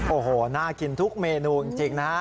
โอ้โหน่ากินทุกเมนูจริงนะฮะ